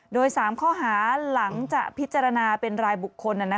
โดย๓ข้อหาหลังจากพิจารณาเป็นรายบุคคล